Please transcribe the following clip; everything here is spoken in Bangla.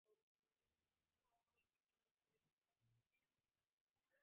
আশঙ্কাজনক অবস্থায় জেলা আধুনিক সদর হাসপাতালে নেওয়ার পথে তাহের মারা যান।